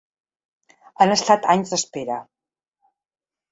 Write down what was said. Han estat anys d’espera.